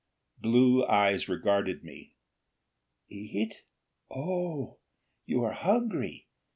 Blue eyes regarded me. "Eat? Oh, you are hungry!